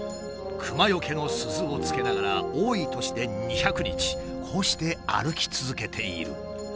クマよけの鈴をつけながら多い年で２００日こうして歩き続けている。